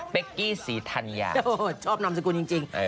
เป๊กกี้ศรีธรรยาโอ้โหชอบนำสกุลจริง